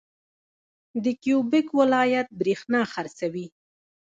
کیوبیک ولایت بریښنا خرڅوي.